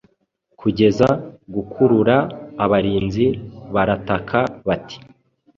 kugeza gukurura abarinzi barataka bati: